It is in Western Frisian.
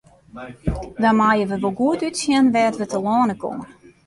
Dan meie we wol goed útsjen wêr't we telâne komme.